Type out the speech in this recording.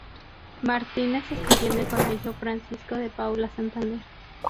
Martínez estudió en el Colegio Francisco de Paula Santander.